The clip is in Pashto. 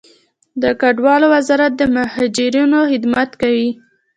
د کډوالو وزارت د مهاجرینو خدمت کوي